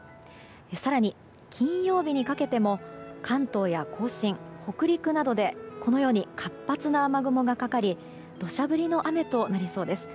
更に金曜日にかけても関東や甲信、北陸などで活発な雨雲がかかり土砂降りの雨となりそうです。